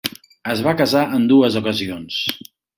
Es va casar en dues ocasions.